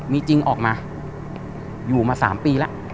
มีจริงออกมาอยู่มา๓ปีแล้ว